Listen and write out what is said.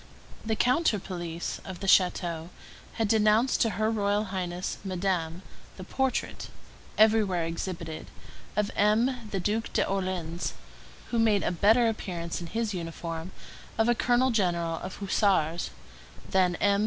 The counter police of the château had denounced to her Royal Highness Madame, the portrait, everywhere exhibited, of M. the Duc d'Orléans, who made a better appearance in his uniform of a colonel general of hussars than M.